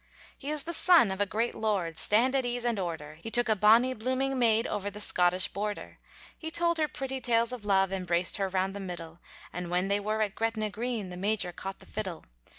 He is the son of a great lord, Stand at ease, and order; He took a bonny, blooming maid Over the Scottish border; He told her pretty tales of love, Embraced her round the middle, And when they were at Gretna Green The Major caught the fiddle.